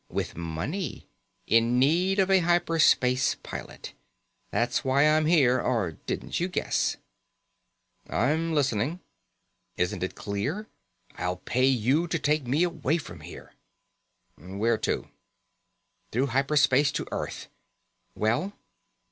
With money. In need of a hyper space pilot. That's why I'm here, or didn't you guess?" "I'm listening." "Isn't it clear? I'll pay you to take me away from here." "Where to?" "Through hyper space to Earth. Well?"